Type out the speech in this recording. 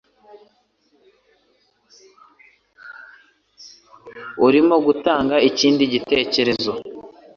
Urimo gutanga ikindi gitekerezo?